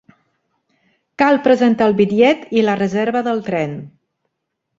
Cal presentar el bitllet i la reserva del tren.